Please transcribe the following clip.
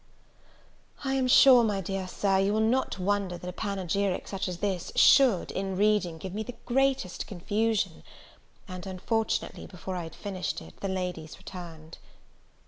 I am sure, my dear Sir, you will not wonder that a panegyric such as this should, in reading, give me the greatest confusion; and, unfortunately, before I had finished it, the ladies returned.